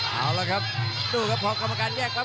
เอาละครับดูครับพอกรรมการแยกปั๊บ